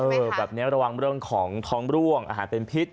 แบบนี้ระวังเรื่องของท้องร่วงอาหารเป็นพิษ